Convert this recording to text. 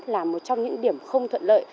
là một trong những điểm không thuận lợi